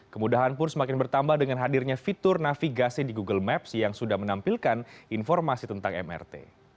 kemudahan pun semakin bertambah dengan hadirnya fitur navigasi di google maps yang sudah menampilkan informasi tentang mrt